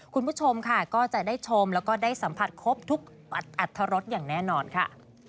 คุณผู้ชมค่ะก็จะได้ชมแล้วก็ได้สัมผัสครบทุกอัตรรสอย่างแน่นอนค่ะ